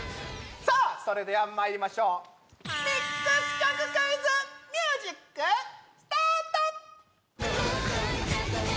さあそれではまいりましょうミックス曲クイズミュージックスタート！